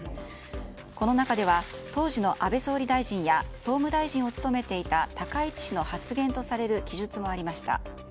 この中では当時の安倍総理大臣や総務大臣を務めていた高市氏の発言とされる記述もありました。